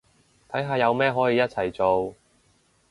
睇下有咩可以一齊做